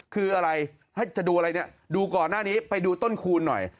คืออะไรถ้าจะดูอะไรเนี่ยดูก่อนหน้านี้ไปดูต้นคูณหน่อย